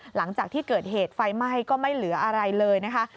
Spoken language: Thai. หลังจากที่เกิดเหตุไฟไหม้ก็ไม่เหลืออะไรเลยนะคะ